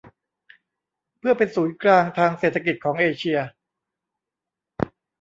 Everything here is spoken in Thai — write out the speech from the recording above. เพื่อเป็นศูนย์กลางทางเศรษฐกิจของเอเชีย